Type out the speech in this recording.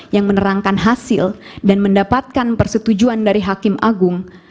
yang menerangkan hasil dan mendapatkan persetujuan dari hakim agung